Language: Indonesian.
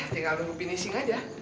tinggal nunggu finishing aja